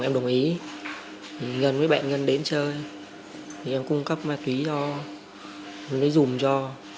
em đồng ý ngân với bạn ngân đến chơi em cung cấp ma túy cho lấy dùm cho